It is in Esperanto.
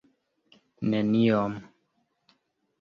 neniom